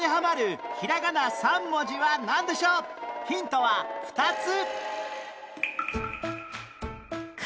ヒントは２つ！